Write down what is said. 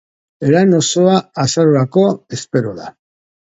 Lan osoa azarorako espero da.